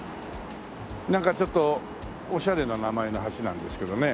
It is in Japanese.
なんかちょっとオシャレな名前の橋なんですけどね。